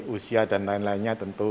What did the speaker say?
usia dan lain lainnya tentu